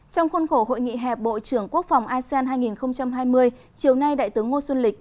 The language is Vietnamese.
trong khuôn khổ hội nghị hẹp bộ trưởng quốc phòng asean hai nghìn hai mươi chiều nay đại tướng ngô xuân lịch